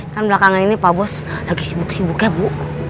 kan belakangan ini pak bos lagi sibuk sibuknya bu